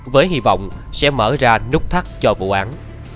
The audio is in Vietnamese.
với hy vọng sẽ mở ra nút thắt cho vụ án